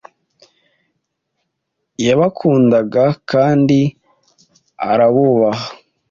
Yabakundaga kandi arabubaha.